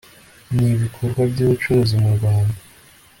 n ibikorwa by ubucuruzi mu rwanda